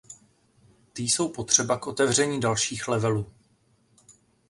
Ty jsou potřeba k otevření dalších levelů.